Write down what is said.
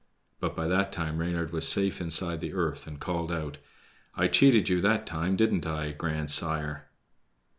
But by that time Reynard was safe inside the earth, and called out: "I cheated you that time, too, didn't I, grandsire?"